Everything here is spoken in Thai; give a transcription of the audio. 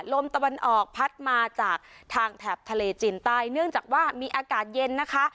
ลมตะวันออกพัดมาจากทางแถบทะเลจีนใต้เนื่องจากว่ามีอากาศเย็นนะคะ